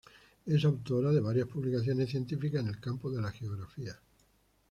Es autora de varias publicaciones científicas en el campo de la Geografía.